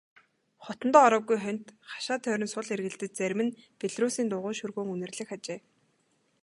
Хотондоо ороогүй хоньд хашаа тойрон сул эргэлдэж зарим нь белоруссын дугуй шөргөөн үнэрлэх ажээ.